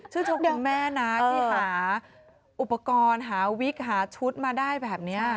โชคดีแม่นะที่หาอุปกรณ์หาวิกหาชุดมาได้แบบนี้